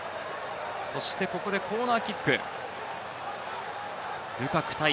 ここでコーナーキック。